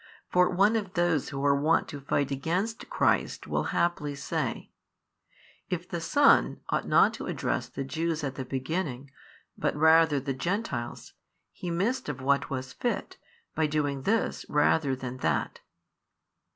For one of those who are wont to fight against Christ will haply say, "If the Son ought not to address the Jews at the beginning, but rather the Gentiles, He missed of what was fit, by doing this rather than that."